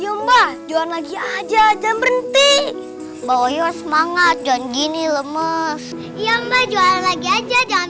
however jualan lagi aja jangan berhenti bawa semangat daun gini lemes moyo jul again jangan